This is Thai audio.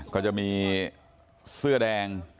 ก็จะมีเสื้อแดง